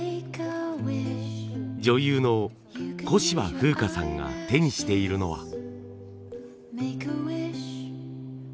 女優の小芝風花さんが手にしているのは。